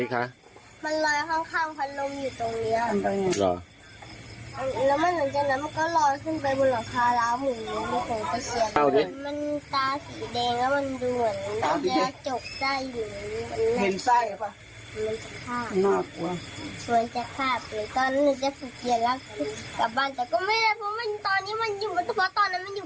ก็ไม่ได้เพราะตอนนั้นมันอยู่บนร้านหมู